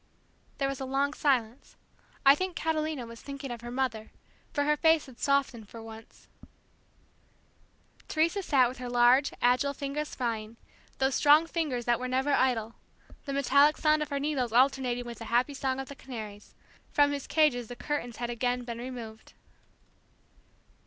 There was a long silence. I think Catalina was thinking of her mother, for her face had softened for once. Teresa sat with her large agile fingers flying those strong fingers that were never idle; the metallic sound of her needles alternating with the happy song of the canaries, from whose cages the curtains had again been removed.